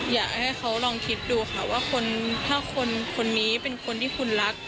อยากให้เขาลองคิดดูค่ะว่าถ้าคนนี้เป็นคนที่คุณรัก